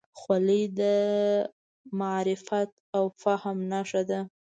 خولۍ د معرفت او فهم نښه ده.